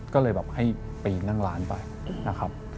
ก็เลยแบบให้ปีนนั่งร้านไปนะครับ